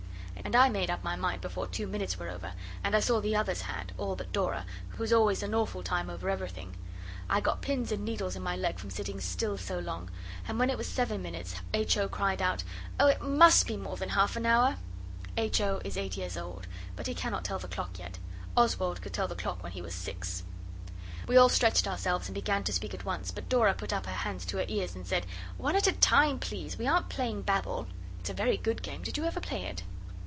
And I made up my mind before two minutes were over, and I saw the others had, all but Dora, who is always an awful time over everything. I got pins and needles in my leg from sitting still so long, and when it was seven minutes H. O. cried out 'Oh, it must be more than half an hour!' H. O. is eight years old, but he cannot tell the clock yet. Oswald could tell the clock when he was six. We all stretched ourselves and began to speak at once, but Dora put up her hands to her ears and said 'One at a time, please. We aren't playing Babel.' (It is a very good game. Did you ever play it?)